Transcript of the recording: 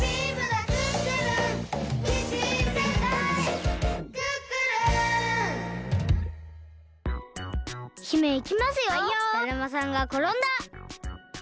だるまさんがころんだ！